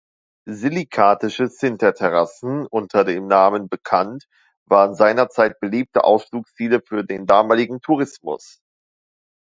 Silikatische Sinter-Terrassen, unter dem Namen bekannt, waren seinerzeit beliebte Ausflugsziele für den damaligen Tourismus.